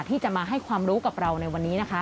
ที่จะมาให้ความรู้กับเราในวันนี้นะคะ